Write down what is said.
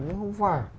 nó không phải